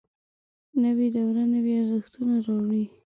نوې دوره نوي ارزښتونه راوړي